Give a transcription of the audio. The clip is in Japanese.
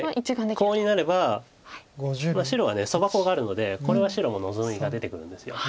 コウになれば白はソバコウがあるのでこれは白も望みが出てくるんです。